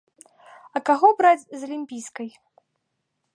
А каго браць з алімпійскай?